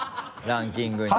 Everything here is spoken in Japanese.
ランキングに。